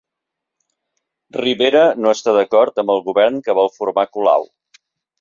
Rivera no està d'acord amb el govern que vol formar Colau